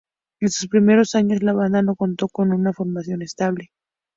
En sus primeros años la banda no contó con una formación estable.